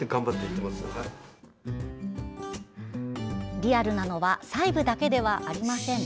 リアルなのは細部だけではありません。